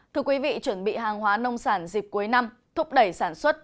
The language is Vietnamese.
thưa quý vị chuẩn bị hàng hóa nông sản dịp cuối năm thúc đẩy sản xuất